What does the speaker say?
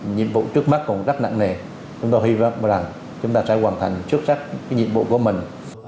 nhiệm vụ trước mắt cũng rất nặng nề chúng ta hy vọng rằng chúng ta sẽ hoàn thành xuất sắc nhiệm vụ của mình